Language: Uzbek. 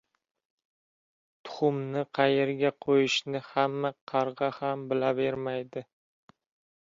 • Tuxumni qayerga qo‘yishni hamma qarg‘a ham bilavermaydi.